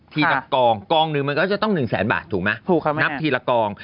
ละกองกองหนึ่งมันก็จะต้องหนึ่งแสนบาทถูกไหมถูกครับนับทีละกอง